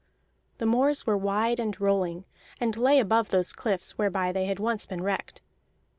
The moors were wide and rolling, and lay above those cliffs whereby they had once been wrecked.